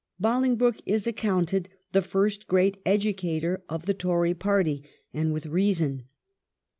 Bolingbroke is accounted the first great educator of the Tory party, and with reason.